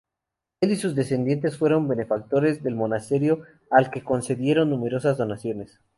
Él y sus descendientes fueron benefactores del monasterio al que concedieron numerosas donaciones.